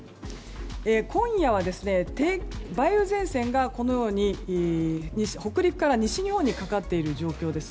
今夜は梅雨前線が北陸から西日本にかかっている状況です。